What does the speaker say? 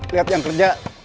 lihat yang kerja